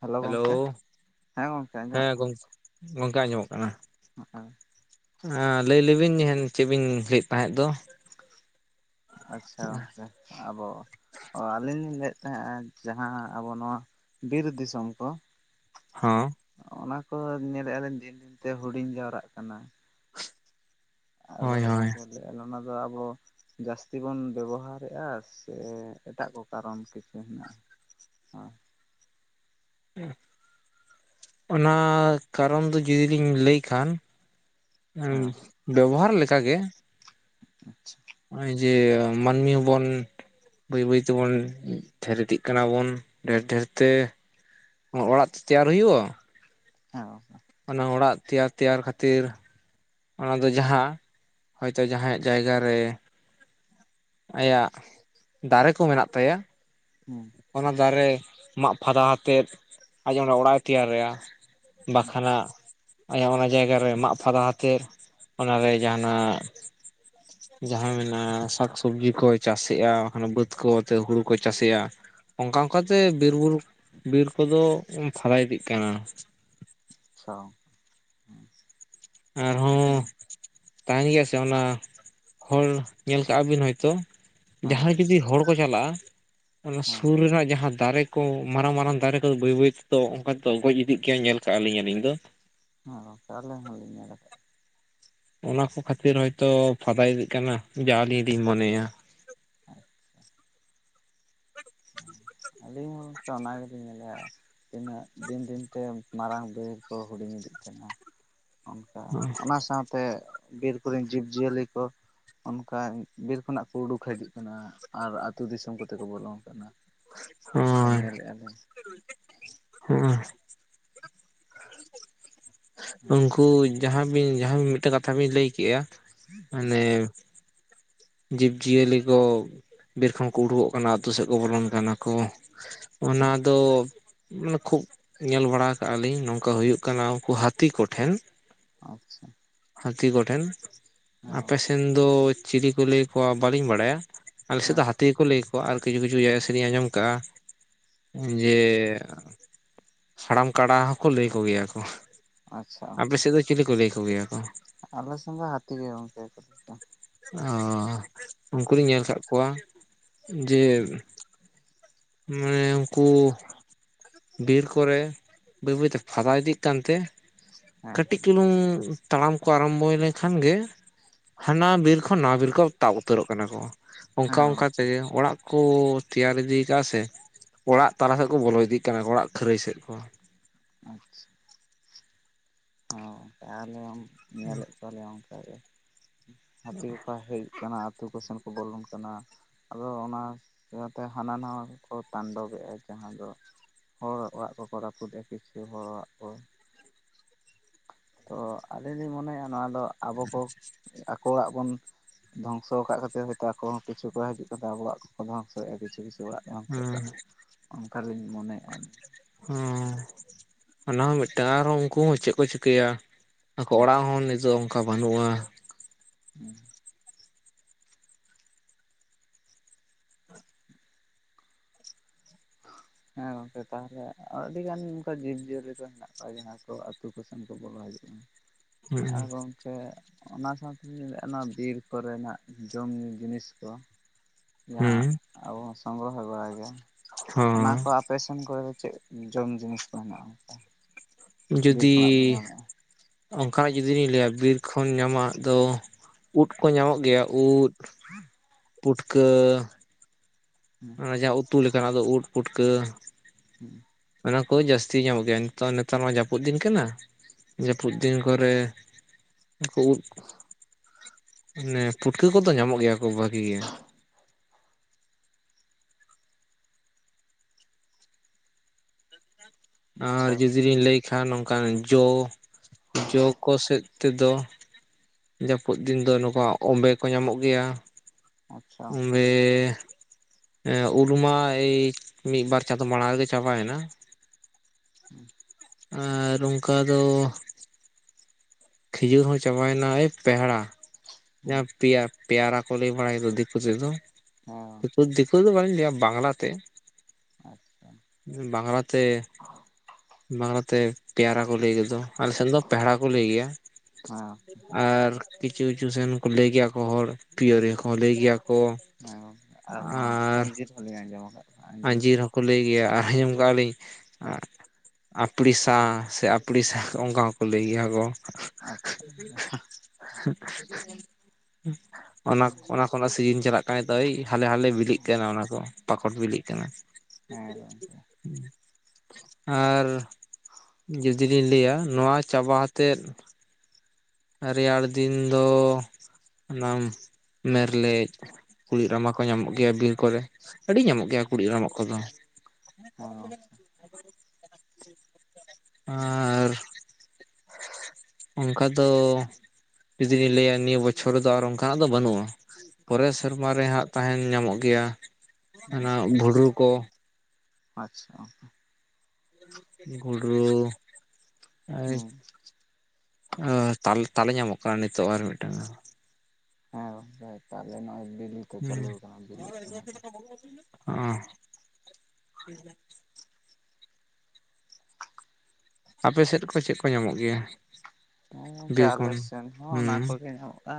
Hello ᱜᱚᱝᱠᱮ᱾ ᱦᱮᱸ ᱜᱚᱝᱠᱮ ᱦᱮᱸ ᱟᱸᱡᱚᱢᱚᱜ ᱜᱚᱝᱠᱮ ᱜᱚᱝᱠᱮ ᱟᱸᱡᱚᱢᱚᱜ ᱠᱟᱱᱟ᱾ ᱠᱟᱱᱟ ᱞᱟᱹᱭ ᱞᱮᱵᱤᱱ ᱪᱮᱫ ᱵᱤᱱ ᱞᱟᱹᱭᱮᱫ ᱛᱟᱦᱮᱸᱫ ᱫᱚ? ᱟᱪᱪᱷᱟ ᱜᱚᱢᱠᱮ ᱟᱵᱚ ᱚ ᱟᱹᱞᱤᱧ ᱞᱤᱧ ᱞᱟᱹᱭᱮᱫ ᱛᱟᱦᱮᱸ-ᱟ ᱡᱟᱦᱟᱸ ᱟᱵᱚ ᱱᱚᱣᱟ ᱵᱤᱨ ᱫᱤᱥᱚᱢ ᱠᱚ ᱦᱚᱸ᱾ ᱚᱱᱟ ᱠᱚ ᱧᱮᱞᱮᱫᱟᱞᱤᱧ ᱫᱤᱱ ᱫᱤᱱᱛᱮ ᱦᱩᱰᱤᱧ ᱡᱟᱣᱨᱟᱜ ᱠᱟᱱᱟ᱾ ᱟᱫᱚ ᱦᱳᱭ ᱦᱳᱭ ᱜᱚᱢᱠᱮ ᱞᱟᱹᱭᱼᱮᱫ ᱟᱞᱮ ᱚᱱᱟᱫᱚ ᱟᱵᱚ ᱡᱟᱹᱥᱛᱤ ᱵᱚᱱ ᱵᱮᱵᱚᱦᱟᱨᱼᱮᱫᱟ ᱥᱮ ᱮᱴᱟᱜ ᱠᱚ ᱠᱟᱨᱚᱱ ᱠᱤᱪᱷᱩ ᱦᱮᱱᱟᱜᱼᱟ᱾ ᱦᱚᱸ ᱦᱩᱸ᱾ ᱚᱱᱟ ᱠᱟᱨᱚᱱ ᱫᱚ ᱡᱩᱫᱤ ᱞᱤᱧ ᱞᱟᱹᱭ ᱠᱷᱟᱱ ᱩᱸ ᱦᱮᱸ ᱵᱮᱵᱚᱦᱟᱨ ᱞᱮᱠᱟ ᱜᱮ᱾ ᱟᱪᱪᱷᱟ᱾ ᱚᱭ ᱡᱮ ᱢᱟᱹᱱᱢᱤ ᱦᱚᱵᱚᱱ ᱵᱟᱹᱭ ᱵᱟᱹᱭ ᱛᱮᱵᱚᱱ ᱰᱷᱮᱨ ᱤᱫᱤᱜ ᱠᱟᱱᱟ ᱵᱚᱱ ᱰᱷᱮᱨ ᱰᱷᱮᱨ ᱛᱮ᱾ ᱦᱚᱸ ᱚᱲᱟᱜ ᱛᱚ ᱛᱮᱭᱟᱨ ᱦᱩᱭᱩᱜᱼᱟ᱾ ᱦᱮᱸ᱾ ᱦᱮᱸ ᱟᱪᱪᱷᱟ ᱚᱱᱟ ᱚᱲᱟᱜ ᱛᱮᱭᱟᱨ ᱛᱮᱭᱟᱨ ᱠᱷᱟᱹᱛᱤᱨ᱾ ᱚᱱᱟ ᱫᱚ ᱡᱟᱦᱟᱸ ᱦᱚᱭᱛᱚ ᱡᱟᱦᱟᱸᱭᱟᱜ ᱡᱟᱭᱜᱟ ᱨᱮ ᱟᱭᱟᱜ ᱫᱟᱨᱮ ᱠᱚ ᱢᱮᱱᱟᱜ ᱛᱟᱭᱟ᱾ ᱦᱩᱸ᱾ ᱚᱱᱟ ᱫᱟᱨᱮ ᱢᱟᱜ ᱯᱷᱟᱫᱟ ᱟᱛᱮᱫ ᱟᱡ ᱚᱸᱰᱮ ᱚᱲᱟᱜ ᱮ ᱛᱮᱭᱟᱨ -ᱟᱭᱟ᱾ ᱵᱟᱠᱷᱟᱱ ᱦᱟᱜ ᱟᱭᱟᱜ ᱚᱱᱟ ᱡᱟᱭᱜᱟ ᱨᱮ ᱢᱟᱜ ᱯᱷᱟᱫᱟ ᱟᱛᱮᱫ ᱚᱱᱟᱨᱮ ᱡᱟᱦᱟᱱᱟᱜ ᱡᱟᱦᱟᱸ ᱢᱮᱱᱟᱜᱼᱟ ᱥᱟᱠᱥᱚᱵᱽᱡᱤ ᱠᱚᱭ ᱪᱟᱥᱮᱫᱼᱟ ᱵᱟᱹᱫᱽ ᱠᱚᱛᱮ ᱦᱩᱲᱩ ᱠᱚᱭ ᱪᱟᱥᱮᱫᱼᱟ᱾ ᱚᱱᱠᱟ ᱚᱱᱠᱟ ᱛᱮ ᱵᱤᱨᱵᱩᱨᱩ ᱵᱤᱨ ᱠᱚᱫᱚ ᱯᱷᱟᱫᱟ ᱤᱫᱤᱜ ᱠᱟᱱᱟ᱾ ᱟᱪᱪᱷᱟ ᱦᱩᱸ᱾ ᱟᱨᱦᱚᱸ ᱛᱟᱦᱮᱱ ᱜᱮᱭᱟ ᱥᱮ ᱚᱱᱟ ᱦᱚᱲ ᱧᱮᱞ ᱠᱮᱫ-ᱟ ᱵᱤᱱ ᱦᱳᱭᱛᱳ ᱦᱮᱸ ᱡᱟᱦᱟᱸᱭ ᱡᱩᱫᱤ ᱦᱚᱲ ᱠᱚ ᱪᱟᱞᱟᱜᱼᱟ ᱚᱱᱟ ᱥᱩᱨ ᱦᱮᱸ ᱨᱮᱱᱟᱜ ᱡᱟᱦᱟᱸ ᱫᱟᱨᱮᱹ ᱠᱚ ᱢᱟᱨᱟᱝ ᱢᱟᱨᱟᱝ ᱫᱟᱨᱮ ᱠᱚ ᱵᱟᱹᱭ ᱵᱟᱹᱭ ᱛᱮᱫᱚ ᱚᱸᱱᱠᱟᱚ ᱜᱚᱡ ᱤᱫᱤᱜ ᱜᱮᱹᱭᱟ ᱧᱮᱞ ᱠᱟᱜᱼᱟ ᱞᱤᱧ ᱟᱹᱞᱤᱧ ᱫᱚ᱾ ᱦᱚ ᱜᱚᱝᱠᱮ ᱦᱚᱸᱞᱤᱧ ᱦᱚᱞᱤᱧ ᱧᱮᱞ ᱟᱸᱠᱟᱫ᱾ ᱚᱱᱟ ᱠᱚ ᱠᱷᱟᱹᱛᱤᱨ ᱦᱚᱭᱛᱚ ᱯᱷᱟᱫ ᱤᱫᱤᱜ ᱠᱟᱱᱟ ᱡᱟᱦᱟᱸ ᱟᱹᱞᱤᱧ ᱞᱤᱧ ᱢᱚᱱᱮᱭᱟ᱾ [unintelligible] ᱟᱹᱞᱤᱧ ᱦᱚᱸᱛᱚ ᱚᱱᱟ ᱜᱮᱹᱞᱤᱧ ᱧᱮᱞᱮᱼᱟ ᱾ ᱛᱤᱱᱟᱹᱜ ᱫᱤᱱ ᱫᱤᱱᱛᱮ ᱢᱟᱨᱟᱝ ᱵᱟᱹᱭᱦᱟᱹᱲ ᱠᱚᱸ ᱦᱩᱰᱤᱧ ᱤᱫᱤᱜ ᱠᱟᱱᱟ᱾ ᱚᱱᱠᱟ ᱚᱱᱟ ᱥᱟᱶᱛᱮ ᱵᱤᱨ ᱠᱚᱨᱮᱱ ᱡᱤᱵᱽ ᱡᱤᱭᱟᱹᱞᱤ ᱠᱚ ᱚᱱᱠᱟ ᱵᱤᱨ ᱠᱷᱚᱱᱟᱜ ᱠᱚ ᱩᱰᱩᱠ ᱦᱤᱡᱩᱜ ᱠᱟᱱᱟ ᱟᱨ ᱟᱹᱛᱩ ᱫᱤᱥᱚᱢ ᱠᱚᱛᱮ ᱠᱚ ᱵᱚᱞᱚᱱ ᱠᱟᱱᱟ᱾ ᱚᱱᱠᱟ ᱦᱳᱭ ᱧᱮᱞᱮᱜᱼᱟ ᱞᱮ [unintelligible] ᱦᱮᱸ ᱩᱱᱠᱩ ᱡᱟᱦᱟᱸ ᱵᱤᱱ ᱡᱟᱦᱟᱸ ᱢᱤᱫᱴᱮᱱ ᱠᱟᱛᱷᱟ ᱵᱤᱱ ᱞᱟᱹᱭ ᱠᱮᱜᱼᱟ ᱢᱟᱱᱮ ᱡᱤᱵᱽ ᱡᱤᱭᱟᱹᱞᱤ ᱠᱚ ᱵᱤᱨ ᱠᱷᱚᱱ ᱠᱚ ᱩᱰᱩᱜᱚ ᱠᱟᱱᱟ ᱟᱛᱳ ᱥᱮᱫ ᱠᱚ ᱵᱚᱞᱚᱱ ᱠᱟᱱᱟ ᱠᱚ ᱾ ᱚᱱᱟ ᱦᱳᱭ ᱫᱚ ᱢᱟᱱᱮ ᱠᱷᱩᱵ ᱧᱮᱞ ᱵᱟᱲᱟ ᱟᱠᱟᱜᱼᱟ ᱞᱤᱧ ᱱᱚᱝᱠᱟ ᱦᱩᱭᱩᱜ ᱠᱟᱱᱟ ᱩᱱᱠᱩ ᱦᱟᱹᱛᱤ ᱠᱚ ᱴᱷᱮᱱ ᱟᱪᱪᱷᱟ ᱾ ᱦᱟᱹᱛᱤ ᱠᱚ ᱴᱷᱮᱱ ᱟᱯᱮ ᱥᱮᱱ ᱫᱚ ᱪᱤᱞᱤ ᱠᱚ ᱞᱟᱹᱭ ᱟᱠᱚᱣᱟ ᱵᱟᱹᱞᱤᱧ ᱵᱟᱹᱲᱟᱭᱟ᱾ ᱟᱸᱞᱮ ᱥᱮᱫ ᱫᱚ ᱦᱮᱸ ᱦᱟᱹᱛᱤ ᱦᱟᱹᱛᱤ ᱜᱮᱠᱚ ᱞᱟᱹᱭ ᱠᱚᱜᱣᱟ ᱟᱨᱠᱤ ᱠᱤᱪᱷᱩ ᱠᱤᱪᱷᱩ ᱡᱟᱭᱜᱟ ᱥᱮᱫᱨᱮᱧ ᱟᱸᱡᱚᱢ ᱠᱟᱜᱼᱟ ᱡᱮ ᱦᱟᱲᱟᱢ ᱠᱟᱰᱟ ᱦᱚᱸᱠᱚ ᱞᱟᱹᱭ ᱠᱚᱜᱮ ᱭᱟᱠᱚ ᱟᱪᱪᱷᱟ ᱟᱯᱮ ᱥᱮᱫ ᱫᱚ ᱪᱤᱞᱤ ᱠᱚ ᱞᱟᱹᱭ ᱠᱚᱜᱮ ᱭᱟᱠᱚ? ᱟᱞᱮ ᱥᱮᱫ ᱫᱚ ᱦᱟᱹᱛᱤ ᱜᱮ ᱜᱚᱝᱠᱮ᱾ ᱚ ᱩᱱᱠᱩ ᱫᱚᱧ ᱧᱮᱞ ᱟᱠᱟᱫ ᱠᱚᱣᱟ ᱡᱮ ᱢᱟᱱᱮ ᱩᱱᱠᱩ ᱵᱤᱨ ᱠᱚᱨᱮ ᱵᱟᱹᱭ ᱵᱟᱹᱭᱛᱮ ᱯᱷᱟᱫᱟ ᱤᱫᱤᱜ ᱠᱟᱱᱛᱮ ᱦᱮᱸ ᱠᱟᱹᱴᱤᱡ ᱠᱩᱞᱩᱝ ᱛᱟᱲᱟᱢ ᱠᱚ ᱟᱨᱟᱢᱵᱚᱭ ᱞᱮᱱᱠᱷᱟᱱ ᱜᱮ ᱦᱟᱱᱟ ᱵᱤᱨ ᱠᱷᱚᱱ ᱱᱚᱣᱟ ᱵᱤᱨ ᱠᱚ ᱛᱟᱵ ᱩᱛᱟᱹᱨᱚᱜ ᱠᱟᱱᱟ ᱠᱚ ᱚᱱᱠᱟ ᱦᱮᱸ ᱚᱱᱠᱟ ᱜᱚᱝᱠᱮ ᱛᱮ ᱚᱲᱟᱜ ᱠᱚ ᱛᱮᱭᱟᱨ ᱤᱫᱤ ᱪᱮᱫᱟᱜ ᱥᱮ ᱚᱲᱟᱜ ᱛᱟᱞᱟ ᱥᱮᱫ ᱠᱚ ᱵᱚᱞᱚ ᱤᱫᱤᱜ ᱠᱟᱱᱟ ᱚᱲᱟᱜ ᱠᱷᱟᱹᱨᱟᱹᱭ ᱥᱮᱫ ᱠᱚ᱾ [inaudible] ᱦᱚᱸ ᱟᱞᱮ ᱧᱮᱞᱮᱫ ᱠᱚᱣᱟᱞᱮ ᱚᱱᱠᱟᱜ ᱜᱮ᱾ ᱦᱟᱹᱛᱤ ᱜᱟᱯ ᱦᱮᱡᱩ ᱠᱟᱱᱟ ᱟᱹᱛᱩ ᱠᱚ ᱥᱮᱱ ᱠᱚ ᱵᱚᱞᱚᱱ ᱠᱟᱱᱟ᱾ ᱟᱫᱚ ᱚᱱᱟ ᱤᱭᱟᱹᱛᱮ ᱦᱟᱱᱟ ᱱᱟᱣᱟ ᱠᱚᱠᱚ ᱛᱟᱱᱰᱚᱵᱮᱫᱟ ᱡᱟᱦᱟᱸ ᱫᱚ᱾ ᱦᱚᱲ ᱚᱲᱟᱜ ᱠᱚᱠᱚ ᱨᱟᱹᱯᱩᱫᱼᱟ ᱠᱤᱪᱷᱩ ᱦᱚᱲᱟᱜ ᱚᱲᱟᱜ ᱠᱚ᱾ ᱛᱚ ᱟᱹᱞᱤᱧ ᱞᱤᱧ ᱢᱚᱱᱮᱭᱟ ᱱᱚᱣᱟ ᱫᱚ ᱟᱵᱚ ᱠᱚ ᱟᱠᱚᱣᱟᱜ ᱵᱚᱱ ᱫᱷᱚᱝᱥᱚ ᱟᱠᱟᱫ ᱠᱷᱟᱹᱛᱤᱨ ᱦᱚᱭᱛᱚ ᱟᱠᱚ ᱦᱚ ᱠᱤᱪᱷᱩ ᱠᱚ ᱦᱤᱡᱩᱜ ᱠᱟᱱᱟ ᱟᱵᱚᱣᱟᱜ ᱠᱚ ᱫᱝᱚᱥᱚᱭᱮᱜ-ᱟ ᱠᱤᱪᱷᱩ ᱠᱤᱪᱷᱩ ᱚᱲᱟᱜ᱾ ᱦᱮᱸ ᱫᱷᱚᱝᱥᱚᱜ ᱠᱟᱱᱟ ᱚᱱᱠᱟᱜᱤᱸᱧ ᱢᱚᱱᱮᱜᱼᱟ ᱟᱹᱞᱤᱧ᱾ ᱚ ᱚᱱᱟ ᱦᱚᱸ ᱢᱤᱫᱴᱟᱝ ᱟᱨᱚ ᱩᱱᱠᱩ ᱦᱚᱸ ᱪᱮᱫ ᱠᱚ ᱪᱤᱠᱟᱹᱭᱟ᱾ ᱟᱠᱚ ᱚᱲᱟᱜ ᱦᱮᱸ ᱦᱚᱸ ᱱᱤᱛᱚᱜ ᱚᱱᱠᱟ ᱵᱟᱹᱱᱩᱜᱼᱟ᱾ [unintelligible] [unintelligible] ᱦᱮᱸ ᱜᱚᱝᱠᱮ ᱛᱟᱦᱚᱞᱮ ᱟᱹᱰᱤ ᱜᱟᱱ ᱚᱱᱠᱟ ᱡᱤᱵᱽ ᱡᱤᱭᱟᱹᱞᱤ ᱠᱚ ᱦᱮᱱᱟᱜ ᱠᱚᱣᱟ ᱡᱟᱦᱟᱸ ᱠᱚ ᱟᱛᱳ ᱠᱚᱥᱮᱱ ᱠᱚ ᱵᱚᱞᱚ ᱦᱤᱡᱩᱜᱼᱟ᱾ [unintelligible] [unintelligible] ᱚᱱᱟ ᱥᱟᱶᱛᱮᱧ ᱞᱟᱹᱭᱼᱟ ᱱᱚᱣᱟ ᱵᱤᱨ ᱠᱚᱨᱮᱱᱟᱜ ᱡᱚᱢ ᱧᱩᱩ ᱡᱤᱱᱤᱥ ᱠᱚ᱾ ᱡᱟᱦᱟᱸ ᱟᱵᱚ ᱦᱚᱸ ᱥᱚᱝᱜᱨᱚᱦᱚᱭ ᱵᱟᱲᱟᱭ ᱜᱮᱭᱟ ᱚᱱᱟ ᱦᱚᱸ ᱠᱚ ᱟᱯᱮ ᱥᱮᱱ ᱠᱚᱨᱮ ᱫᱚ ᱪᱮᱫ ᱡᱚᱢ ᱡᱤᱱᱤᱥ ᱠᱚ ᱦᱮᱱᱟᱜᱼᱟ ᱚᱱᱠᱟ? ᱵᱤᱨ ᱡᱩᱫᱤ ᱠᱷᱚᱱᱟᱜ ᱵᱚᱱ ᱧᱟᱢᱮᱫᱼᱟ ᱚᱱᱠᱟ ᱦᱚᱸ ᱡᱩᱫᱤ ᱞᱤᱧ ᱞᱟᱹᱭᱟ ᱵᱤᱨ ᱠᱷᱚᱱ ᱧᱟᱢᱟᱜ ᱫᱚ ᱩᱫ ᱠᱚ ᱧᱟᱢᱚᱜ ᱜᱮᱭᱟ ᱩᱫ ᱯᱩᱴᱠᱟᱹ ᱦᱩᱸ ᱚᱱᱟ ᱡᱟᱦᱟᱸ ᱩᱛᱩ ᱞᱮᱠᱟᱱᱟᱜ ᱫᱚ ᱩᱫ ᱯᱩᱴᱠᱟᱹ [unintelligible] ᱚᱱᱟ ᱠᱚ ᱡᱟᱹᱥᱛᱤ ᱧᱟᱢᱚᱜ ᱜᱮᱭᱟ᱾ ᱱᱤᱛᱚᱜ ᱱᱮᱛᱟᱨ ᱢᱟ ᱡᱟᱹᱯᱩᱫ ᱫᱤᱱ ᱠᱟᱱᱟ᱾ ᱡᱟᱹᱯᱩᱫ ᱫᱤᱱ ᱠᱚᱨᱮ᱾ ᱠᱩ ᱩᱫ ᱢᱟᱱᱮ ᱯᱩᱴᱠᱟᱹ ᱠᱚᱫᱚ ᱧᱟᱢᱚᱜ ᱜᱮᱭᱟ ᱠᱚ ᱵᱷᱟᱹᱜᱤ ᱜᱮ᱾ ᱟᱨ ᱟᱪᱪᱷᱟ ᱡᱩᱫᱤ ᱞᱤᱧ ᱞᱟᱹᱭ ᱠᱷᱟᱱ ᱱᱚᱝᱠᱟᱱ ᱡᱚ ᱡᱚ ᱠᱚ ᱥᱮᱫ ᱛᱮᱫᱚ ᱡᱟᱹᱯᱩᱫ ᱫᱤᱱ ᱫᱚ ᱱᱚᱝᱠᱟ ᱚᱢᱵᱮ ᱠᱚ ᱧᱟᱢᱚᱜ ᱜᱮᱭᱟ᱾ ᱟᱪᱪᱷᱟ ᱛᱚᱵᱮ ᱩᱞᱢᱟ ᱮᱭ ᱢᱤᱫ ᱵᱟᱨ ᱪᱟᱸᱫᱚ ᱢᱟᱲᱟᱝ ᱨᱮᱜᱮ ᱪᱟᱵᱟᱭᱮᱱᱟ᱾ [unintelligible] ᱟᱨ ᱚᱱᱠᱟ ᱫᱚ, ᱠᱷᱤᱡᱩᱨ ᱦᱚᱸ ᱪᱟᱵᱟᱭᱮᱱᱟ ᱮᱭ ᱯᱮᱲᱦᱟ ᱦᱮᱸ ᱡᱟᱦᱟᱸ ᱯᱮᱭᱟ, ᱯᱮᱭᱟᱨᱟ ᱠᱚ ᱞᱟᱹᱭ ᱵᱟᱲᱟᱭ ᱫᱚ ᱫᱤᱠᱩ ᱛᱮᱫᱚ, ᱫᱤᱠᱩ ᱫᱚ ᱵᱟᱹᱞᱤᱧ ᱞᱟᱹᱭᱟ ᱵᱟᱝᱞᱟᱛᱮ᱾ ᱟᱪᱪᱷᱟ ᱵᱟᱝᱞᱟᱛᱮ ᱵᱟᱝᱞᱟᱛᱮ ᱯᱮᱭᱟᱨᱟ ᱠᱚ ᱞᱟᱹᱭ ᱜᱮᱫᱚ᱾ ᱟᱞᱮᱥᱱ ᱫᱚ ᱯᱮᱲᱦᱟ ᱠᱚ ᱞᱟᱹᱭ ᱜᱮᱭᱟ ᱦᱮᱸ ᱟᱨ ᱠᱤᱪᱷᱩ ᱠᱤᱪᱷᱩ ᱥᱮᱱ ᱠᱚ ᱞᱟᱹᱭ ᱜᱮᱭᱟ ᱠᱚ ᱦᱚᱲ ᱯᱤᱭᱳᱨᱤᱭᱟᱹ ᱠᱚᱦᱚ ᱠᱚ ᱞᱟᱹᱭ ᱜᱮᱭᱟ ᱠᱚ᱾ ᱡᱟᱭᱦᱚᱠ ᱟᱨ ᱱᱚᱣᱟ ᱟᱸᱡᱤᱨ ᱦᱚᱸ ᱞᱤᱧ ᱟᱸᱡᱚᱢ ᱟᱠᱟᱫ᱾ ᱠᱚᱣᱟ ᱟᱸᱡᱤᱨ ᱠᱚ ᱦᱚᱸᱠᱚ ᱯᱟᱞᱮ ᱞᱟᱹᱭ ᱜᱮᱭᱟ ᱟᱨ ᱟᱸᱡᱚᱢ ᱠᱟᱜ ᱟᱹᱞᱤᱧ, ᱦᱮᱸ ᱟᱯᱲᱤᱥᱟ ᱥᱮ ᱟᱯᱲᱤᱥᱟ ᱚᱱᱠᱟ ᱦᱚᱸᱠᱚ ᱞᱟᱹᱭ ᱜᱮᱭᱟ ᱠᱚ, ᱟᱪᱪᱷᱟ ᱚᱱᱟ ᱜᱚᱝᱠᱮ ᱚᱱᱟ ᱠᱷᱚᱱᱟᱜ ᱥᱤᱡᱤᱱ ᱪᱟᱞᱟᱜ ᱠᱟᱭ ᱫᱳᱭ ᱦᱟᱞᱮ ᱦᱟᱞᱮ ᱵᱤᱞᱤᱜ ᱠᱟᱱᱟ᱾ ᱚᱱᱟ ᱠᱚ ᱯᱟᱠᱚᱴ ᱵᱤᱞᱤᱜ ᱠᱟᱱᱟ᱾ ᱦᱮᱸ ᱟᱨ ᱡᱩ ᱡᱩᱫᱤᱧ ᱞᱟᱹᱭᱟ ᱱᱚᱣᱟ ᱪᱟᱵᱟ ᱟᱛᱮᱫ, ᱨᱮᱭᱟᱲ ᱫᱤᱱ ᱫᱚ ᱚᱱᱟᱢ ᱢᱮᱨᱞᱮᱡ, ᱠᱩᱲᱤᱫ ᱨᱟᱢᱟ ᱠᱚ ᱧᱟᱢᱚᱜ ᱜᱮᱭᱟ ᱵᱤᱨ ᱠᱚᱨᱮ ᱟᱹᱰᱤ ᱧᱟᱢᱚᱜ ᱜᱮᱭᱟ ᱟᱪᱪᱷᱟ ᱠᱩᱲᱤᱫ ᱨᱟᱢᱟ ᱠᱚᱫᱚ᱾ ᱦᱩᱸ ᱟᱨ ᱚᱱᱠᱟ ᱫᱚ ᱡᱩᱫᱤ ᱞᱤᱧ ᱞᱟᱹᱭᱟ ᱱᱤᱭᱟᱹ ᱵᱚᱪᱷᱚᱨ ᱫᱚ ᱟᱨ ᱚᱱᱠᱟᱱᱟᱜ ᱫᱚ ᱵᱟᱱᱩᱜ-ᱟ᱾ ᱯᱚᱨᱮᱨ ᱥᱮᱨᱢᱟ ᱨᱮ ᱦᱟᱜ ᱛᱟᱦᱮᱱ ᱧᱟᱢᱚᱜ ᱜᱮᱭᱟ ᱚᱱᱟ ᱵᱷᱩᱰᱨᱩ ᱠᱚ᱾ ᱟᱪᱪᱷᱟ ᱜᱩᱰᱨᱩ ᱮᱭ ᱟᱨ ᱛᱟᱞ ᱛᱟᱞᱮ ᱧᱟᱢᱚᱜ ᱠᱟᱱᱟ ᱱᱤᱛᱚᱜ ᱟᱨ ᱢᱤᱫᱴᱟᱝ ᱦᱮᱸ ᱜᱚᱝᱠᱮ ᱛᱟᱦᱞᱮ ᱱᱚᱜ-ᱚᱭ ᱵᱤᱞᱤ ᱠᱚ ᱪᱟᱹᱞᱩ ᱟᱠᱟᱱᱟ ᱵᱤᱞᱤᱜ ᱠᱟᱱᱟ ᱛᱟᱞᱮ᱾ [unintelligible] ᱚᱻ ᱟᱯᱮ ᱥᱮᱫ ᱠᱚ ᱪᱮᱫ ᱠᱚ ᱧᱟᱢᱚᱜ ᱜᱮᱭᱟ? ᱦᱮ ᱜᱚᱝᱠᱮ ᱵᱤᱨ ᱟᱞᱮ ᱠᱷᱚᱱ ᱥᱮᱱ ᱦᱚᱸ ᱚᱱᱟ ᱦᱩᱸ ᱠᱚᱜᱮ ᱧᱟᱢᱚᱜ-ᱟ᱾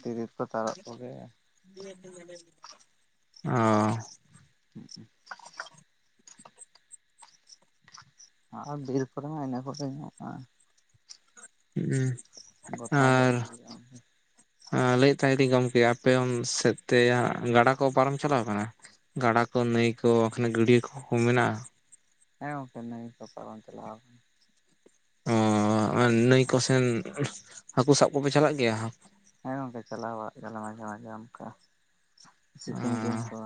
ᱛᱤᱨᱤᱞ ᱠᱚ ᱛᱟᱨᱚᱯ ᱠᱚᱜᱮ ᱚᱻ [unintelligible] ᱟᱨ ᱵᱤᱨ ᱠᱚᱨᱮ ᱦᱚ ᱤᱱᱟᱹ ᱠᱚᱜᱮ ᱧᱟᱢᱚᱜ-ᱟ᱾ ᱦᱩᱸ ᱜᱚᱴᱟ ᱜᱮ ᱟᱨ ᱵᱤᱨ ᱜᱚᱝᱠᱮ᱾ ᱟᱨ ᱞᱟᱹᱭᱮᱫ ᱛᱟᱦᱮᱜ ᱫᱟᱹᱧ ᱜᱚᱝᱠᱮ ᱟᱯᱮ ᱚᱱ ᱥᱮᱫ ᱛᱮ ᱜᱟᱰᱟ ᱠᱚ ᱯᱟᱨᱚᱢ ᱪᱟᱞᱟᱣ ᱟᱠᱟᱱᱟ? ᱜᱟᱰᱟ ᱠᱚ ᱱᱟᱹᱭ ᱠᱚ ᱵᱟᱠᱷᱟᱱ ᱜᱟᱹᱰᱭᱟᱹ ᱠᱚ ᱢᱮᱱᱟᱜ-ᱟ? ᱦᱮᱸ ᱜᱚᱝᱠᱮ ᱱᱟᱹᱭ ᱠᱚ ᱯᱟᱨᱚᱢ ᱪᱟᱞᱟᱣ ᱚ ᱚᱱᱟ ᱱᱟᱹᱭ ᱠᱚᱥᱮᱱ ᱦᱟᱹᱠᱩ ᱥᱟᱵ ᱠᱚᱯᱮ ᱪᱟᱞᱟᱜ ᱜᱮᱭᱟ? ᱦᱮᱸ ᱜᱚᱝᱠᱮ ᱪᱟᱞᱟᱣ ᱵᱟᱲᱟᱜ ᱜᱮᱭᱟᱞᱮ ᱢᱟᱡᱷᱮ ᱢᱟᱡᱷᱮ ᱚᱱᱠᱟ, ᱥᱤᱛᱩᱝ ᱫᱤᱱ ᱠᱚ,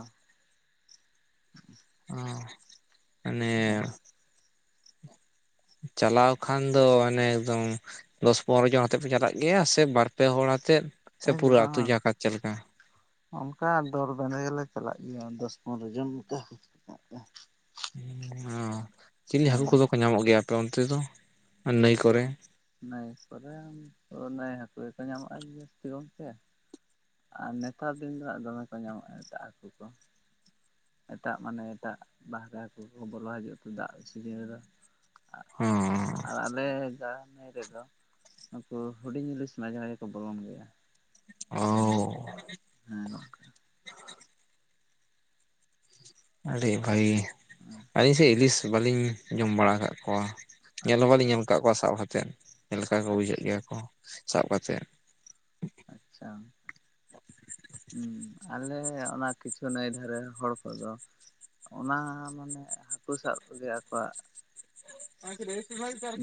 ᱚ ᱢᱟᱱᱮ, ᱪᱟᱞᱟᱣ ᱠᱷᱟᱱ ᱫᱚ ᱦᱟᱱᱮ ᱮᱠᱫᱚᱢ ᱫᱚᱥ ᱯᱚᱱᱨᱚ ᱡᱚᱱ ᱟᱛᱮᱫ ᱯᱮ ᱪᱟᱞᱟᱜ ᱜᱮᱭᱟ ᱥᱮ ᱵᱟᱨ ᱯᱮ ᱦᱚᱲ ᱟᱛᱮᱫ ᱥᱮ [unintelligible] ᱯᱩᱨᱟᱹ ᱟᱹᱛᱩ ᱵᱟᱝᱼᱟ᱾ ᱡᱟᱠᱟᱛ ᱪᱮᱫ ᱞᱮᱠᱟ? ᱚᱱᱠᱟ ᱫᱚᱞ ᱵᱟᱸᱫᱷᱮ ᱜᱮᱞᱮ ᱪᱟᱞᱟᱜ ᱜᱮᱭᱟ ᱫᱚᱥ ᱯᱚᱱᱨᱚ ᱡᱚᱱ ᱠᱟᱛᱮ ᱾ ᱚᱸᱻ ᱪᱤᱞᱤ ᱦᱮᱸ ᱦᱟᱹᱠᱩ ᱜᱚᱝᱠᱮ ᱠᱚᱫᱚ ᱠᱚ ᱧᱟᱢᱚᱜ ᱜᱮᱭᱟ ᱟᱯᱮ ᱚᱱᱛᱮ ᱫᱚ ᱱᱟᱹᱭ ᱠᱚᱨᱮ? ᱱᱟᱹᱭ ᱠᱚᱨᱮ ᱱᱟᱹᱭ ᱦᱟᱹᱠᱩ ᱜᱮᱠᱚ ᱧᱟᱢᱚᱜᱼᱟ ᱡᱟᱹᱥᱛᱤ ᱜᱚᱝᱠᱮ ᱾ ᱟᱨ ᱱᱮᱛᱟᱨ ᱫᱤᱱ ᱫᱚᱦᱟᱜ ᱫᱚᱢᱮ ᱠᱚ ᱧᱟᱢᱚᱜᱼᱟ ᱮᱴᱟᱜ ᱦᱟᱹᱠᱩ ᱠᱚ ᱾ ᱮᱴᱟᱜ ᱢᱟᱱᱮ ᱮᱴᱟᱜ ᱵᱟᱦᱨᱮ ᱦᱟᱹᱠᱩ ᱠᱚᱠᱚ ᱵᱚᱞᱚ ᱦᱟᱡᱩᱜ ᱛᱮ ᱫᱟᱜ ᱥᱤᱡᱤᱱ ᱨᱮᱫᱚ ᱟᱨ ᱟᱞᱮ ᱜᱟᱝ ᱱᱟᱭ ᱨᱮᱫᱚᱼᱼ ᱱᱩᱠᱩ ᱦᱩᱰᱤᱧ ᱤᱞᱤᱥ ᱢᱟᱡᱷᱮ ᱢᱟᱡᱷᱮ ᱠᱚ ᱵᱚᱞᱚᱱ ᱜᱮᱭᱟ᱾ ᱚ ᱦᱮᱸ ᱜᱚᱢᱠᱮ᱾ ᱟᱹᱰᱤ ᱵᱷᱟᱹᱜᱤ, ᱟᱹᱞᱤᱧ ᱥᱮ ᱤᱞᱤᱥ ᱵᱟᱹᱞᱤᱧ ᱡᱚᱢ ᱵᱟᱲᱟ ᱟᱠᱟᱫ ᱠᱚᱣᱟ᱾ ᱧᱮᱞ ᱦᱚᱸ ᱟᱪᱪᱷᱟ ᱵᱟᱞᱤᱧ ᱧᱮᱞ ᱠᱟᱜ ᱠᱚᱣᱟ ᱥᱟᱵ ᱦᱟᱛᱮᱫ ᱪᱮᱫ ᱞᱮᱠᱟ ᱠᱚ ᱵᱩᱡᱷᱟᱹᱜ ᱟᱪᱪᱷᱟ ᱜᱮᱭᱟ ᱠᱚ ᱥᱟᱵ ᱠᱟᱛᱮᱫ᱾ ᱟᱪᱪᱷᱟ᱾ ᱦᱩᱸ ᱟᱞᱮ ᱚᱱᱟ ᱠᱤᱪᱷᱩ ᱱᱟᱹᱭ ᱫᱷᱟᱨᱮ ᱦᱚᱲ ᱠᱚᱫᱚᱼᱼ ᱚᱱᱟ ᱢᱟᱱᱮ ᱦᱟᱹᱠᱩ ᱥᱟᱵ ᱛᱮᱜᱮ ᱟᱠᱚᱣᱟᱜ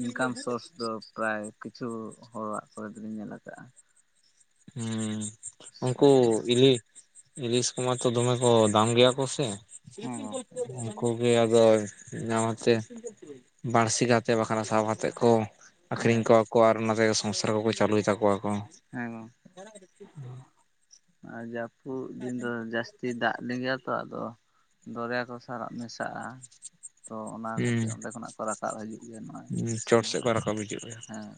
ᱤᱱᱠᱟᱢ ᱥᱳᱨᱥ ᱫᱚ ᱯᱨᱟᱭ ᱠᱤᱪᱷᱩ ᱦᱚᱲ ᱚᱲᱟᱜ ᱠᱚᱨᱮ ᱫᱚᱞᱤᱧ ᱧᱮᱞ ᱠᱟᱜᱼᱟ᱾ ᱦᱩᱸ ᱩᱝᱠᱩ ᱵᱤᱞᱤ ᱤᱞᱤᱥ ᱠᱩᱢᱟ ᱛᱚ ᱫᱚᱢᱮ ᱠᱚ ᱫᱟᱢ ᱜᱮᱭᱟ ᱠᱚ ᱥᱮ ᱦᱮᱸ ᱜᱚᱝᱠᱮ ᱩᱱᱠᱩ ᱤᱭᱟᱹ ᱟᱫᱚ ᱱᱟᱣᱟᱛᱮ ᱵᱟᱹᱲᱥᱤ ᱠᱟᱛᱮᱫ ᱵᱟᱝᱠᱷᱟᱱ ᱥᱟᱵ ᱦᱟᱛᱮᱫ ᱠᱚ ᱟᱠᱷᱨᱤᱧ ᱦᱮᱸ ᱠᱚᱣᱟ ᱠᱚ ᱟᱨ ᱚᱱᱟᱛᱮᱜᱮ ᱥᱚᱝᱥᱟᱨ ᱠᱚᱠᱚ ᱪᱟᱹᱞᱩᱭ ᱛᱟᱠᱚᱣᱟ ᱠᱚ᱾ ᱮᱠᱫᱚᱢ [inaudible] ᱟᱨ ᱡᱟᱹᱯᱩᱫ ᱫᱤᱱ ᱫᱚ ᱡᱟᱥᱼᱼ ᱛᱤ ᱫᱟᱜ ᱞᱤᱸᱜᱤ ᱟᱛᱚ ᱟᱫᱚ ᱫᱚᱨᱭᱟ ᱠᱚ ᱥᱟᱞᱟᱜ ᱢᱮᱥᱟᱜᱼᱟ ᱾ ᱛᱚ ᱚᱱᱟ ᱠᱷᱟᱹᱛᱤᱨ ᱦᱩᱸ ᱚᱸᱰᱮ ᱠᱷᱚᱱᱟᱜ ᱠᱚ ᱨᱟᱠᱟᱵ ᱦᱤᱡᱩᱜ ᱜᱮᱭᱟ ᱱᱚᱣᱟ ᱤᱭᱟᱹ ᱪᱚᱴ ᱥᱤᱡᱤᱱ, ᱥᱮᱫ ᱠᱚ ᱨᱟᱠᱟᱵ ᱦᱤᱡᱩᱜ ᱜᱮᱭᱟ ᱦᱮᱸ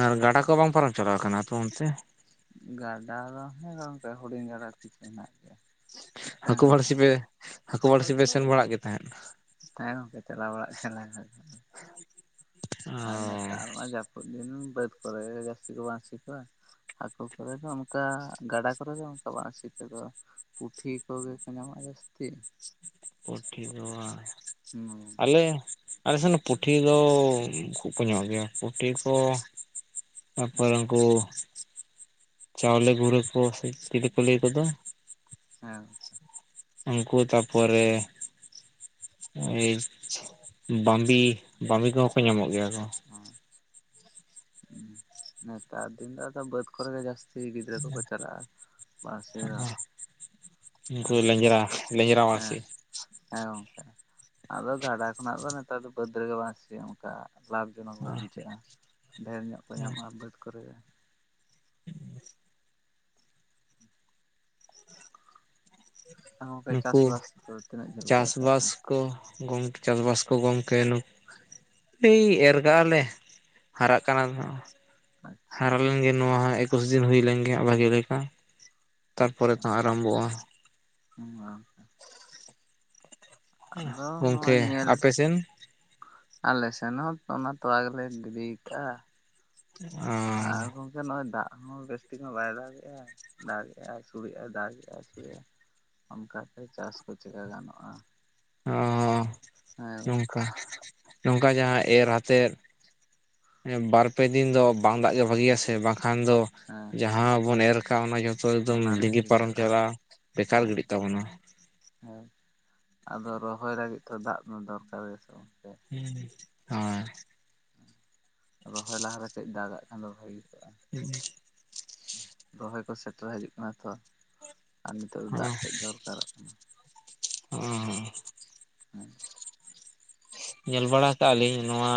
ᱟᱨ ᱜᱟᱰᱟ ᱠᱚ ᱵᱟᱝ ᱯᱟᱨᱚᱢ ᱪᱟᱞᱟᱣ ᱠᱟᱱᱟ ᱟᱯᱮ ᱚᱱᱛᱮ? ᱜᱟᱰᱟ ᱫᱚ ᱦᱮᱸ ᱜᱚᱝᱠᱮ ᱦᱩᱰᱤᱧ ᱜᱟᱰᱟ ᱠᱤᱪᱷᱩ ᱦᱮᱱᱟᱜ ᱜᱮᱭᱟ ᱾ ᱦᱟᱹᱠᱩ ᱵᱟᱹᱲᱥᱤ ᱯᱮ ᱦᱟᱹᱠᱩ ᱵᱟᱹᱲᱥᱤ ᱯᱮ ᱥᱮᱱ ᱵᱟᱲᱟᱜ ᱜᱮ ᱛᱟᱦᱮᱸᱫ? ᱦᱮᱸ ᱜᱚᱝᱠᱮ ᱪᱟᱞᱟᱣ ᱵᱟᱲᱟᱜ ᱛᱟᱦᱮᱜ ᱞᱮ ᱟᱨᱼᱼ ᱚ ᱛᱟᱨ ᱢᱟ ᱡᱟᱹᱯᱩᱫ ᱫᱤᱱ ᱵᱟᱹᱫ ᱠᱚᱨᱮ ᱜᱮ ᱡᱟᱹᱥᱛᱤ ᱠᱚ ᱵᱟᱹᱲᱥᱤ ᱠᱚᱣᱟ ᱾ ᱟᱛᱳ ᱠᱚᱨᱮ ᱫᱚ ᱚᱱᱠᱟ ᱜᱟᱰᱟ ᱠᱚᱨᱮ ᱜᱮ ᱚᱱᱠᱟ ᱵᱟᱲᱥᱤ ᱛᱮᱫᱚ, ᱯᱩᱴᱷᱤ ᱠᱚᱜᱮ ᱠᱚ ᱧᱟᱢᱚᱜᱼᱟ ᱡᱟᱹᱥᱛᱤ᱾ ᱦᱩᱸ [unintelligible] ᱟᱞᱮᱼᱼ ᱟᱞᱮ ᱥᱮᱱ ᱫᱚ ᱯᱩᱴᱷᱤ ᱫᱚ ᱠᱷᱩᱵ ᱠᱚ ᱧᱚᱢᱚᱜ ᱜᱮᱭᱟ, ᱯᱩᱴᱷᱤ ᱠᱚᱼᱼ ᱛᱟᱨᱯᱚᱨᱮ ᱩᱱᱠᱩᱼᱼ ᱪᱟᱣᱞᱮ ᱜᱷᱩᱨᱟᱹ ᱠᱚ ᱥᱮ ᱪᱤᱞᱤ ᱠᱚ ᱞᱟᱹᱭ ᱠᱚᱫᱚ, ᱦᱮᱸ᱾ ᱩᱝᱠᱩ ᱛᱟᱯᱚᱨᱮ ᱮᱭ ᱵᱟᱢᱵᱤ ᱵᱟᱢᱵᱤ ᱠᱚᱦᱚᱸ ᱠᱚ ᱧᱟᱢᱚᱜ ᱜᱮᱭᱟ ᱠᱚᱼᱼ ᱚ ᱦᱩᱸ ᱱᱮᱛᱟᱨ ᱫᱤᱱ ᱫᱚ ᱟᱫᱚ ᱵᱟᱹᱫᱽ ᱠᱚᱨᱮ ᱜᱮ ᱡᱟᱹᱥᱛᱤ ᱜᱤᱫᱽᱨᱟᱹ ᱠᱚᱠᱚ ᱪᱟᱞᱟᱜᱼᱟ᱾ ᱵᱟᱥ ᱦᱮᱸᱱᱟᱜ ᱩᱱᱠᱩ ᱞᱮᱸᱡᱽᱨᱟ ᱞᱮᱸᱡᱽᱨᱟ [unintelligible] ᱢᱟᱹᱥᱤ ᱦᱮᱸ ᱦᱮᱸ ᱜᱚᱝᱠᱮ᱾ ᱟᱫᱚ ᱜᱟᱰᱟ ᱠᱷᱚᱱᱟᱜᱫᱚ ᱱᱮᱛᱟᱨ ᱫᱚ ᱵᱟᱹᱫᱽ ᱨᱮᱜᱮ ᱵᱟᱝᱥᱤᱼᱟ ᱚᱱᱠᱟ ᱞᱟᱵᱷ ᱡᱚᱱᱚᱠ ᱜᱮ ᱵᱩᱡᱷᱟᱹᱜᱼᱟ᱾ ᱰᱷᱮᱨ ᱧᱚᱜ ᱠᱚ ᱧᱟᱢᱚᱜᱼᱟ ᱵᱟᱹᱫᱽ ᱠᱚᱨᱮ ᱜᱮ᱾ [inaudible] ᱮᱱᱠᱷᱟᱱ ᱜᱚᱢᱠᱮ ᱪᱟᱥ ᱱᱩᱠᱩ ᱵᱟᱥ ᱫᱚ ᱛᱤᱱᱟᱹᱜ ᱡᱷᱟᱹᱞ ᱯᱮ ᱪᱟᱥᱵᱟᱥ [unintelligible] ᱠᱚ ᱜᱚᱢᱠᱮ ᱪᱟᱥᱵᱟᱥ ᱠᱚ ᱜᱚᱢᱠᱮ ᱱᱩ ᱥᱤ ᱮᱨ ᱠᱟᱜ-ᱟᱞᱮ ᱦᱟᱨᱟᱜ ᱠᱟᱱᱟ ᱱᱟᱦᱟᱜ᱾ ᱟᱪᱪᱷᱟ ᱦᱟᱨᱟ ᱞᱮᱱᱜᱮ ᱱᱚᱣᱟ ᱦᱚᱸ ᱮᱠᱩᱥ ᱫᱤᱱ ᱦᱩᱭ ᱞᱮᱱᱜᱮ ᱵᱷᱟᱹᱜᱤ ᱞᱮᱠᱟ ᱛᱟᱨᱯᱚᱨᱮ ᱟᱪᱪᱷᱟ ᱛᱚ ᱟᱨᱟᱢᱵᱚᱜ-ᱟ᱾ [unintelligible] ᱟᱫᱚ ᱱᱚᱣᱟ ᱜᱚᱢᱠᱮ ᱧᱮᱞ ᱟᱯᱮ ᱥᱮᱱ ᱟᱞᱮ ᱥᱮᱱ ᱦᱚᱸ ᱚᱱᱟ ᱛᱚᱞᱟ ᱜᱮᱞᱮ ᱜᱤᱰᱤ ᱠᱟᱜᱼᱟ᱾ ᱚ ᱟᱨ ᱦᱚᱸ ᱮᱠᱷᱟᱱ ᱱᱚᱜᱼᱚᱭ ᱫᱟᱜ ᱦᱚᱸ ᱵᱮᱥ ᱴᱷᱤᱠ ᱦᱚᱸ ᱵᱟᱭ ᱫᱟᱜᱮᱜᱼᱟ ᱾ ᱫᱟᱜᱮᱜᱼᱟᱭ ᱟᱥᱩᱲᱮᱜ-ᱟᱭ ᱫᱟᱜᱮᱜ-ᱟᱭ ᱟᱥᱩᱲᱮᱜ-ᱟᱭ ᱚᱱᱠᱟᱛᱮ ᱪᱟᱥ ᱠᱚ ᱪᱮᱠᱟ ᱜᱟᱱᱚᱜᱼᱟ᱾ ᱚᱻ ᱦᱮᱸ ᱱᱚᱝᱠᱟ ᱱᱚᱝᱠᱟ ᱡᱟᱦᱟᱸ ᱮᱨ ᱟᱛᱮᱫ ᱮᱸ ᱵᱟᱨᱯᱮ ᱫᱤᱱ ᱫᱚ ᱵᱟᱝ ᱫᱟᱜ ᱜᱮ ᱵᱷᱟᱹᱜᱤᱭᱟ ᱥᱮ ᱵᱟᱝᱠᱷᱟᱱ ᱫᱚ ᱦᱮᱸ᱾ ᱡᱟᱦᱟᱸ ᱵᱚᱱ ᱮᱨ ᱟᱠᱟᱜ ᱚᱱᱟ ᱡᱷᱚᱛᱚ ᱮᱠᱫᱚᱢ ᱞᱤᱸᱜᱤ ᱯᱟᱨᱚᱢ ᱪᱟᱞᱟᱜᱼᱟ ᱵᱮᱠᱟᱨ ᱦᱮᱸ ᱜᱤᱰᱤᱜ ᱛᱟᱵᱚᱱᱟ᱾ ᱦᱮᱸ ᱟᱫᱚ ᱨᱚᱦᱚᱭ ᱞᱟᱜᱤᱫ ᱛᱚ ᱫᱟᱜ ᱫᱚ ᱫᱚᱨᱠᱟᱨ ᱜᱮ ᱥᱮ ᱜᱚᱢᱠᱮ᱾ ᱦᱩᱸ ᱦᱚᱭ᱾ ᱨᱚᱦᱚᱭ ᱞᱟᱦᱟᱨᱮ ᱠᱟᱹᱡ ᱫᱟᱜᱟᱜ ᱠᱷᱟᱱ ᱫᱚ ᱵᱷᱟᱜᱤ ᱠᱚᱜᱼᱟ᱾ [unintelligible] ᱨᱚᱦᱚᱭ ᱠᱚ ᱥᱮᱴᱮᱨ ᱦᱤᱡᱩᱜ ᱠᱟᱱᱟ ᱛᱚ ᱟᱨ ᱱᱤᱛᱳᱜ ᱫᱚ ᱫᱟᱜ ᱠᱟᱹᱡ ᱫᱚᱨᱠᱟᱨᱚᱜ [inaudible] ᱚᱻ [unintelligible] ᱧᱮᱞ ᱵᱟᱲᱟ ᱟᱠᱟᱜᱼᱟ ᱞᱤᱧ ᱱᱚᱣᱟ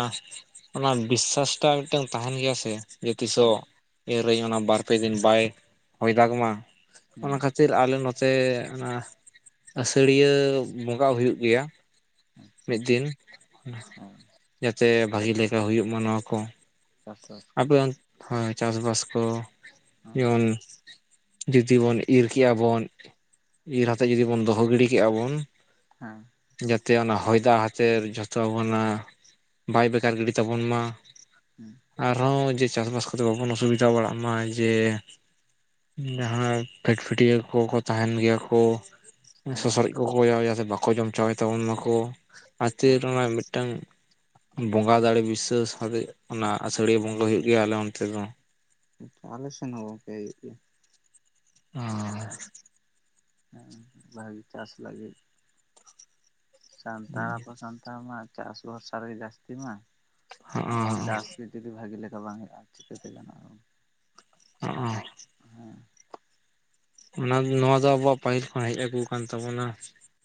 ᱚᱱᱟ ᱵᱤᱥᱥᱟᱥᱴᱟᱜ ᱢᱤᱫᱴᱟᱝ ᱛᱟᱦᱮᱱ ᱜᱮᱭᱟ ᱥᱮ ᱡᱮ ᱛᱤᱥᱚᱜ ᱦᱮᱸ ᱮᱨᱟᱹᱧ ᱚᱱᱟ ᱵᱟᱨ ᱯᱮ ᱫᱤᱱ ᱵᱟᱭ ᱦᱚᱭ ᱫᱟᱜᱽ ᱢᱟ ᱚᱱᱟ ᱠᱷᱟ ᱠᱷᱛᱤᱨ ᱟᱞᱮ ᱱᱚᱛᱮ ᱚᱱᱟ ᱟᱹᱥᱟᱹᱲᱤᱭᱟᱹ ᱵᱚᱸᱜᱟ ᱦᱩᱭᱩᱜ ᱜᱮᱭᱟ᱾ ᱦᱮᱸ ᱟᱪᱪᱷᱟ ᱢᱤᱫ ᱫᱤᱱ ᱦᱮᱸ ᱡᱟᱛᱮ ᱵᱷᱟᱜᱮ ᱞᱮᱠᱟ ᱦᱩᱭᱩᱜ ᱢᱟ ᱱᱚᱣᱟ ᱠᱚ᱾ ᱪᱟᱥᱵᱟᱥ ᱠᱚ ᱟᱵᱮᱱ ᱦᱳᱭ ᱪᱟᱥᱵᱟᱥ ᱠᱚ ᱦᱮᱸ ᱡᱮᱢᱚᱱ ᱡᱩᱫᱤ ᱵᱚᱱ ᱤᱨ ᱠᱮᱜᱼᱟ ᱵᱚᱱ ᱤᱨ ᱟᱛᱮᱫ ᱡᱩᱫᱤ ᱵᱚᱱ ᱫᱚᱦᱚ ᱜᱤᱲᱤ ᱠᱮᱜᱼᱟ ᱵᱚᱱ ᱦᱮᱸ᱾ ᱡᱟᱛᱮ ᱚᱱᱟ ᱦᱚᱭ ᱫᱟᱜ ᱦᱟᱛᱮᱨ ᱡᱷᱚᱛᱚ ᱟᱵᱚᱱᱟᱜ ᱵᱟᱭ ᱵᱮᱠᱟᱨ ᱜᱤᱰᱤ ᱛᱟᱵᱚᱱ ᱢᱟ᱾ ᱦᱩᱸ ᱾ ᱟᱨᱦᱚᱸ ᱡᱮ ᱪᱟᱥᱵᱟᱥ ᱠᱚᱛᱮ ᱵᱟᱵᱚᱱ ᱚᱥᱩᱵᱤᱫᱷᱟ ᱵᱟᱲᱟᱜ ᱢᱟ ᱡᱮ ᱡᱟᱦᱟᱸ ᱯᱷᱮᱴ ᱯᱷᱴᱤᱭᱟᱹ ᱠᱚᱠᱚ ᱛᱟᱦᱮᱱ ᱜᱮᱭᱟ ᱠᱚ ᱦᱮᱸ ᱥᱚᱥᱥᱨᱚᱡ ᱠᱚᱠᱚ ᱡᱟ ᱡᱟᱛᱮ ᱵᱟᱠᱚ ᱡᱚᱢ ᱪᱟᱵᱟᱭ ᱛᱟᱵᱚᱱ ᱢᱟᱠᱚ ᱦᱟᱹᱛᱤᱭᱟᱹᱨ ᱜᱚᱝᱠᱮ ᱢᱟᱭ‌ ᱢᱤᱫᱴᱟᱝ ᱵᱚᱸᱜᱟ ᱫᱟᱲᱮ ᱵᱤᱥᱥᱟᱹᱥ ᱟᱛᱮᱫ ᱚᱱᱟ ᱟᱹᱥᱟᱹᱲᱤᱭᱟᱹ ᱵᱚᱸᱜᱟ ᱦᱩᱭᱩᱜ ᱜᱮᱭᱟ ᱟᱞᱮ ᱚᱱᱛᱮ ᱫᱚ᱾ ᱟᱞᱮ ᱥᱮᱱ ᱦᱚ ᱜᱚᱝᱠᱮᱭ ᱚ᱾ ᱦᱮᱸ ᱵᱷᱟᱜᱤ ᱪᱟᱥ ᱞᱟᱹᱜᱤᱫ ᱥᱟᱱᱛᱟᱲ ᱟᱵᱚ ᱥᱟᱱᱛᱟᱲ ᱢᱟ ᱪᱟᱥ ᱵᱷᱚᱨᱥᱟ ᱨᱮᱜᱮ ᱡᱟᱥᱛᱤ ᱢᱟ ᱟᱫᱚ ᱪᱟᱥ ᱡᱩᱫᱤ ᱵᱷᱟᱜᱤ ᱞᱮᱠᱟ ᱵᱟᱝ ᱦᱩᱭᱩᱜᱼᱟ ᱪᱤᱠᱟᱹᱛᱮ ᱜᱟᱱᱚᱜᱼᱟ᱾ ᱚ᱾ ᱦᱮᱸ᱾ ᱚᱱᱟ ᱱᱚᱣᱟ ᱫᱚ ᱟᱵᱩᱣᱟᱜ ᱯᱟᱹᱦᱤᱞ ᱠᱷᱚᱱ ᱦᱮᱡ ᱟᱹᱜᱩ ᱠᱟᱱᱟᱱ ᱛᱟᱵᱚᱱᱟ᱾